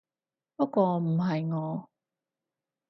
不過唔係我